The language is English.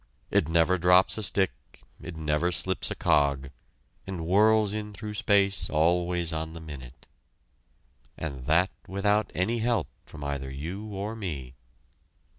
It never drops a stick; it never slips a cog; and whirls in through space always on the minute. And that without any help from either you or me!